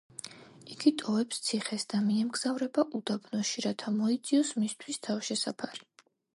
იგი ტოვებს ციხეს და მიემგზავრება უდაბნოში, რათა მოიძიოს მისთვის თავშესაფარი.